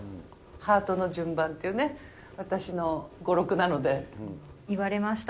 ハートの順番っていうね、私の語言われました。